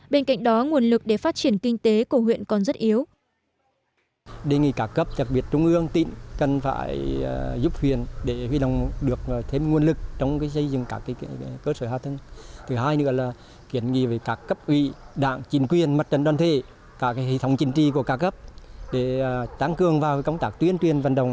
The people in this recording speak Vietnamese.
bên cạnh đó nguồn lực để phát triển kinh tế của huyện còn rất yếu